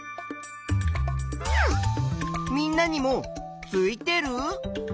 みんなにもついてる？